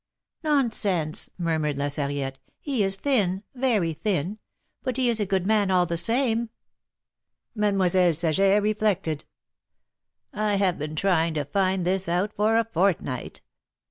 "Nonsense," murmured La Sarriette, "he is thin, very thin ; but he is a good man all the same." Mademoiselle Saget reflected. " I have been trying to find this out for a fortnight.